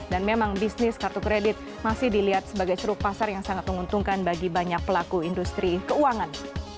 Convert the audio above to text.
dan memang bisnis kartu kredit masih dilihat sebagai serup pasar yang sangat menguntungkan bagi banyak pelaku industri keuangan